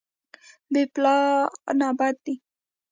بې پلانه بد دی.